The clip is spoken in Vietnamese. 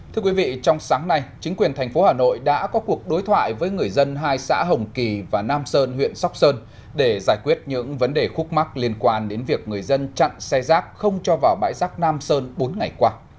thưa quý vị trong sáng nay chính quyền thành phố hà nội đã có cuộc đối thoại với người dân hai xã hồng kỳ và nam sơn huyện sóc sơn để giải quyết những vấn đề khúc mắc liên quan đến việc người dân chặn xe rác không cho vào bãi rác nam sơn bốn ngày qua